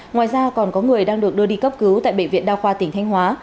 ngoài ra còn có người đang được đưa đi cấp cứu tại bệ viện đao khoa tỉnh thanh hóa